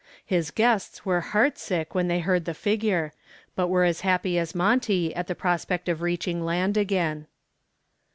His guests were heartsick when they heard the figure, but were as happy as Monty at the prospect of reaching land again.